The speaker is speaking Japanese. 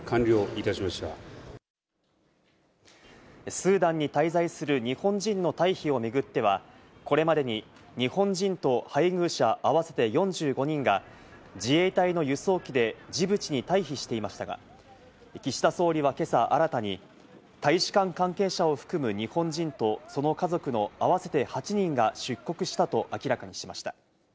スーダンに滞在する日本人の退避をめぐっては、これまでに日本人と配偶者、合わせて４５人が自衛隊の輸送機でジブチに退避していましたが、岸田総理は今朝、新たに大使館関係者を含む日本人と、その家族の合わせて８人が出国したと明らかにしました。